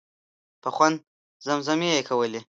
په خوند زمزمې یې کولې.